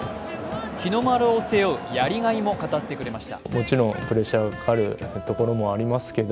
日の丸を背負うやりがいも語ってくれました。